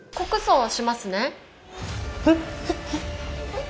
えっ！